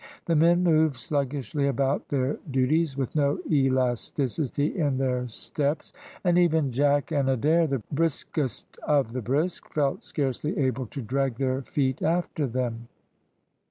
The men moved sluggishly about their duties, with no elasticity in their steps; and even Jack and Adair, the briskest of the brisk, felt scarcely able to drag their feet after them.